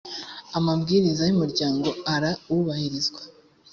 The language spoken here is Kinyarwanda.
amabwiriza y’umuryango araubahirizwa.